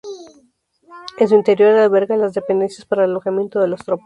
En su interior albergaba las dependencias para el alojamiento de las tropas.